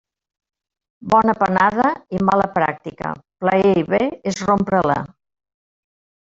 Bona panada i mala pràctica, plaer i bé és rompre-la.